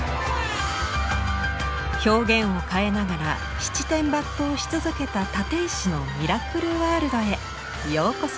表現を変えながら七転八倒し続けた立石のミラクルワールドへようこそ。